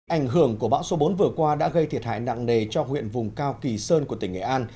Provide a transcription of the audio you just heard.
ảnh hưởng của bão số bốn vừa qua đã gây thiệt hại nặng nề cho huyện vùng cao kỳ sơn của tỉnh nghệ an